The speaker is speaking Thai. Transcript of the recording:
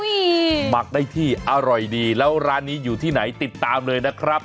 หมักได้ที่อร่อยดีแล้วร้านนี้อยู่ที่ไหนติดตามเลยนะครับ